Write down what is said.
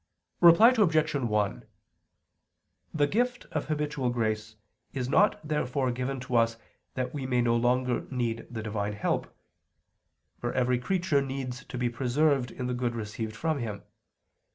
Reply Obj. 1: The gift of habitual grace is not therefore given to us that we may no longer need the Divine help; for every creature needs to be preserved in the good received from Him.